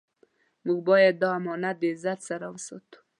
موږ باید دا امانت د عزت سره وساتو.